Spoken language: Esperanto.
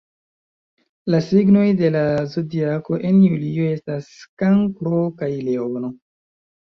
La signoj de la Zodiako en julio estas Kankro kaj Leono.